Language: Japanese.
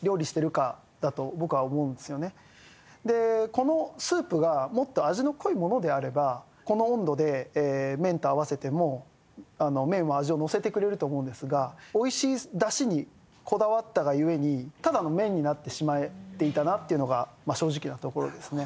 このスープがもっと味の濃いものであればこの温度で麺と合わせても麺は味を乗せてくれると思うんですがおいしいダシにこだわったが故にただの麺になってしまっていたなっていうのが正直なところですね